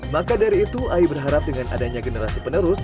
maka dari itu ai berharap dengan adanya generasi penerus